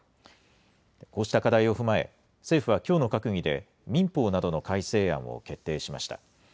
こうした課題を踏まえ、政府はきょうの閣議で、民法などの改正案を決定しました。